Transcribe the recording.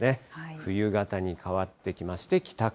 冬型に変わってきまして、北風。